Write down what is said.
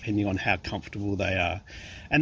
bergantung pada kemampuan mereka